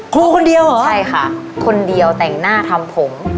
ครูคนเดียวเหรอใช่ค่ะคนเดียวแต่งหน้าทำผม